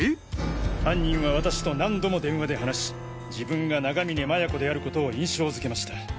犯人は私と何度も電話で話し自分が永峰麻也子であることを印象づけました。